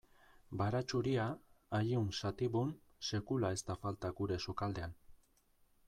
Baratxuria, Allium sativum, sekula ez da falta gure sukaldean.